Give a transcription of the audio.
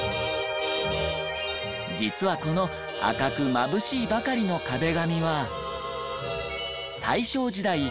実はこの赤くまぶしいばかりの壁紙は大正時代